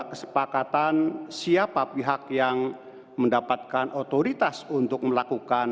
kesepakatan siapa pihak yang mendapatkan otoritas untuk melakukan